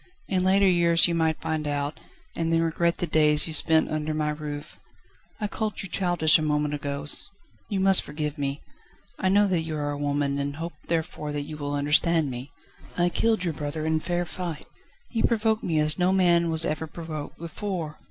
In later years you might find out, and then regret the days you spent under my roof. I called you childish a moment ago, you must forgive me; I know that you are a woman, and hope therefore that you will understand me. I killed your brother in fair fight. He provoked me as no man was ever provoked before